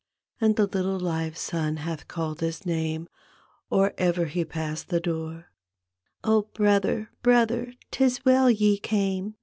And the little live son hath called his name Or ever he passed the door, " Oh, brother, hrother, 'tis well ye came.